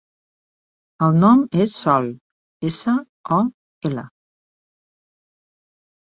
El nom és Sol: essa, o, ela.